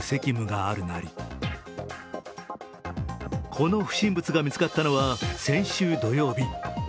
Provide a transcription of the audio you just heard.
この不審物が見つかったのは先週土曜日。